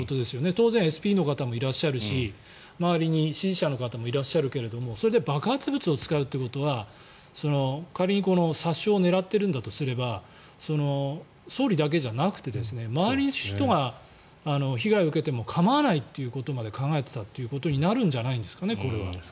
当然ＳＰの方もいらっしゃるし周りに支持者の方もいらっしゃるけれどもそれで爆発物を使うということは仮に殺傷を狙っているんだとすれば総理だけじゃなくて周りの人が被害を受けても構わないということまで考えていたということになるんじゃないですかね。